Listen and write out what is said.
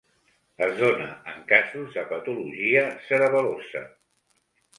Es dóna en casos de patologia cerebel·losa.